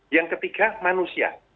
yang ketiga manusia